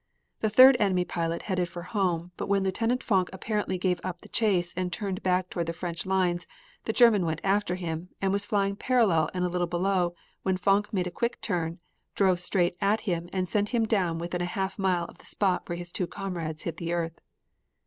The third enemy pilot headed for home, but when Lieutenant Fonck apparently gave up the chase and turned back toward the French lines the German went after him, and was flying parallel and a little below, when Fonck made a quick turn, drove straight at him and sent him down within half a mile of the spot where his two comrades hit the earth.